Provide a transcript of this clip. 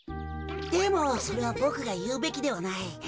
でもそれはボクがいうべきではない。